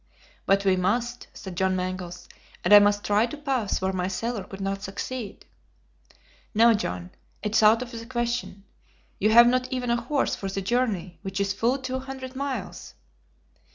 "But we must," said John Mangles; "and I must try to pass where my sailor could not succeed." "No, John! it is out of the question. You have not even a horse for the journey, which is full two hundred miles!"